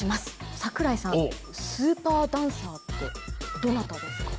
櫻井さん、スーパーダンサーってどなたですか？